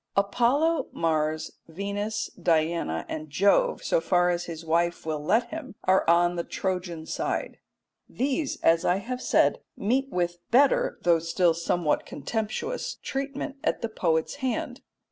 Apollo, Mars, Venus, Diana, and Jove, so far as his wife will let him, are on the Trojan side. These, as I have said, meet with better, though still somewhat contemptuous, treatment at the poet's hand.